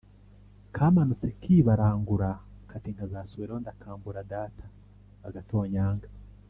Kamanutse kibarangura kati nkazasubirayo ndakambura data-Agatonyanga.